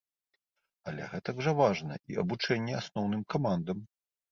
Але гэтак жа важна і абучэнне асноўным камандам.